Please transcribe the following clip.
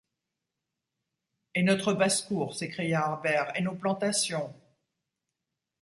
Et notre basse-cour, s’écria Harbert, et nos plantations. .